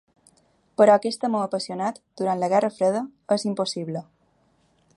Però aquest amor apassionat, durant la guerra freda, és impossible.